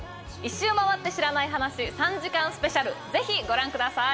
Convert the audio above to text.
１周回って知らない話３時間スペシャル、ぜひご覧ください。